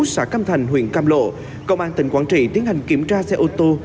xã cam thành huyện cam lộ công an tỉnh quảng trị tiến hành kiểm tra xe ô tô